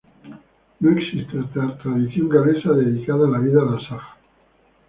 No existe tradición galesa dedicada a la vida de Asaf.